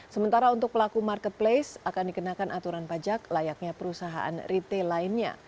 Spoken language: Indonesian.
sementara untuk pelaku marketplace akan dikenakan aturan pajak layaknya perusahaan retail lainnya